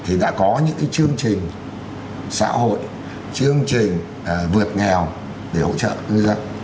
thì đã có những chương trình xã hội chương trình vượt nghèo để hỗ trợ ngư dân